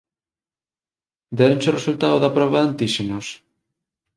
Déronche o resultado da proba de antíxenos?